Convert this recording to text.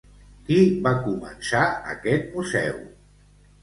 Qui va començar aquest museu?